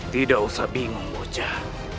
tidak usah bingung bocah